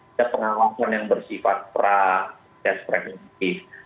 ada pengawasan yang bersifat pra desprestif